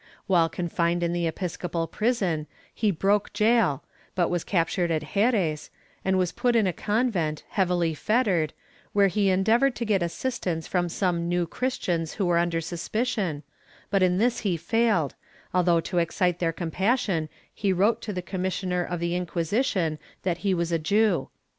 While confined in the episcopal prison he broke gaol, but was captured at Xeres, and was put in a convent, heavily fettered, where he endeavored to get assistance from some New Christians who were under suspicion, but in this he failed, although to excite their compassion, he wrote to the commissioner of the Inquisition that he was a Jew.